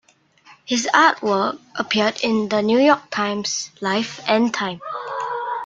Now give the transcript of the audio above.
His artwork appeared in "The New York Times", "Life", and "Time".